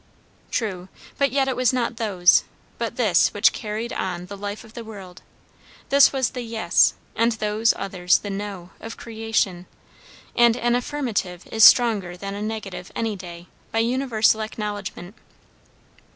True, but yet it was not those, but this which carried on the life of the world; this was the "Yes," and those others the "No," of creation; and an affirmative is stronger than a negative any day, by universal acknowledgment.